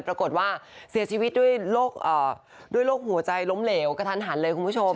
ปรากฏว่าเสียชีวิตด้วยโรคหัวใจล้มเหลวกระทันหันเลยคุณผู้ชม